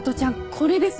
これです！